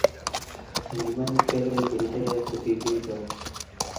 eng iman keikei kirindaet kosir kerichot